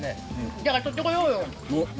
だから取ってこようよ。